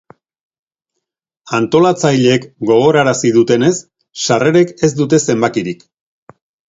Antolatzaileek gogorarazi dutenez, sarrerek ez dute zenbakirik.